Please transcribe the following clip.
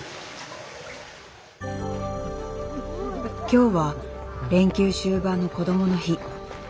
今日は連休終盤のこどもの日。